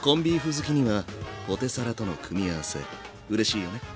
好きにはポテサラとの組み合わせうれしいよね。